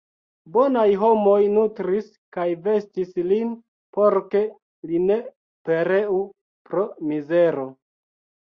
Bonaj homoj nutris kaj vestis lin, por ke li ne pereu pro mizero.